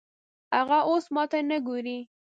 هغه اوس ماته نه ګوري